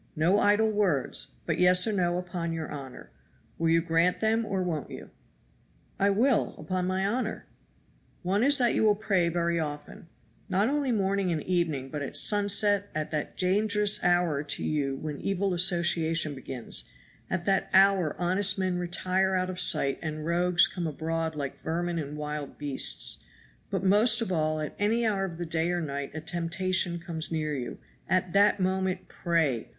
No idle words but yes or no upon your honor. Will you grant them or won't you?" "I will, upon my honor." "One is that you will pray very often, not only morning and evening, but at sunset, at that dangerous hour to you when evil association begins; at that hour honest men retire out of sight and rogues come abroad like vermin and wild beasts; but most of all at any hour of the day or night a temptation comes near you, at that moment pray!